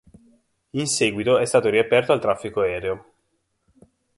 In seguito è stato riaperto al traffico aereo.